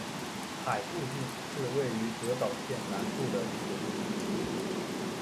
海部郡是位于德岛县南部的一郡。